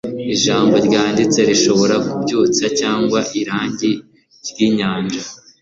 ijambo ryanditse rishobora kubyutsa cyangwa irangi ryinyanja